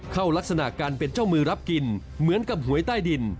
ลักษณะการเป็นเจ้ามือรับกินเหมือนกับหวยใต้ดิน